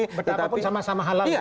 betapa pun sama sama halang gitu ya